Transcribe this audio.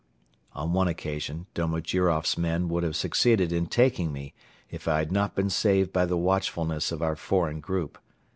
On one occasion Domojiroff's men would have succeeded in taking me if I had not been saved by the watchfulness of our foreign group.